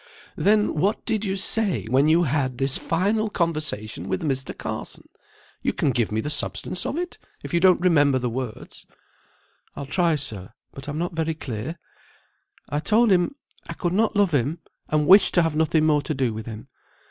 "Then what did you say when you had this final conversation with Mr. Carson? You can give me the substance of it, if you don't remember the words." "I'll try, sir; but I'm not very clear. I told him I could not love him, and wished to have nothing more to do with him.